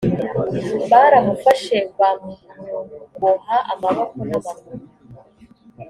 baramufashe bamuboha amaboko n’amaguru